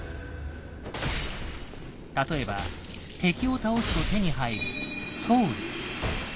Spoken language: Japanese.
例えば敵を倒すと手に入る「ソウル」。